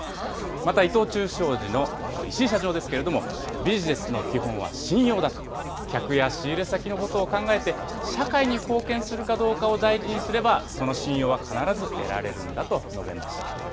また伊藤忠商事の石井社長ですけれども、ビジネスの基本は信用だと、客や仕入れ先のことを考えて社会に貢献するかどうかを大事にすれば、その信用は必ず得られるんだと述べました。